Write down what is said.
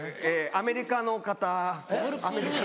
アメリカの方。